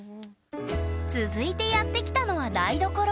続いてやって来たのは台所。